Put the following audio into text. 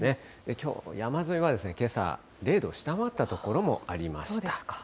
きょう山沿いは、けさ、０度を下回った所もありました。